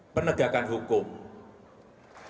penegakan hukum yang tegas